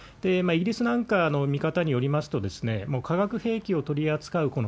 イギリスなんかの見方によりますと、もう化学兵器を取り扱う